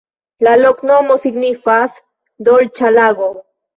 La loknomo signifas: "dolĉa lago".